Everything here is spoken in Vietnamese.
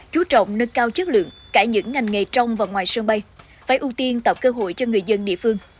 chú trọng nâng cao chất lượng cả những ngành nghề trong và ngoài sân bay phải ưu tiên tạo cơ hội cho người dân địa phương